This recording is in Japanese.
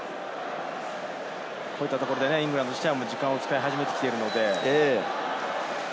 こういったところで、イングランドとしては時間を使い始めてきているので。